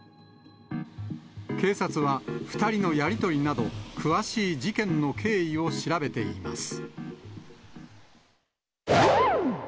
警察は、２人のやり取りなど、詳しい事件の経緯を調べています。